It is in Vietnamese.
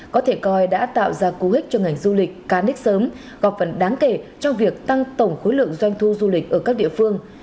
có thể coi đã tạo ra cú hích cho ngành du lịch cán đích sớm gọp phần đáng kể trong việc tăng tổng khối lượng doanh thu du lịch ở các địa phương